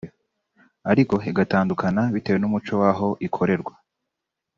ariko igatandukana bitewe n’umuco w’aho ikorerwa